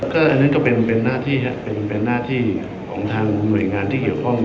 ก็อันนั้นก็เป็นหน้าที่ครับเป็นหน้าที่ของทางหน่วยงานที่เกี่ยวข้อง